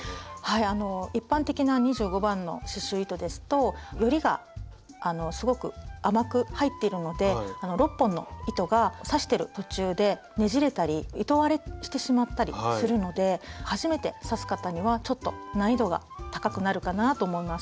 一般的な２５番の刺しゅう糸ですとよりがすごく甘く入っているので６本の糸が刺してる途中でねじれたり糸割れしてしまったりするので初めて刺す方にはちょっと難易度が高くなるかなぁと思います。